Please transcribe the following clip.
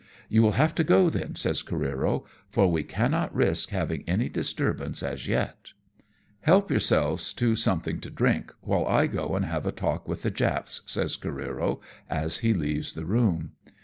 "You will have to go then," says Careero, "for we cannot risk having any disturbance as yet." " Help yourselves to something to drink, while I go and have a talk with the Japs," says Careero, as he leaves the room.